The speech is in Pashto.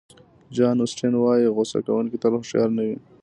جان اوسټین وایي غوصه کوونکي تل هوښیار نه وي.